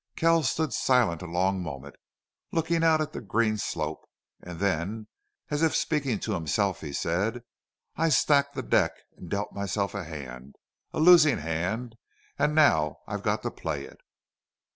Kells stood silent a long moment, looking out at the green slope. And then, as if speaking to himself, he said: "I stacked the deck and dealt myself a hand a losing hand and now I've got to play it!"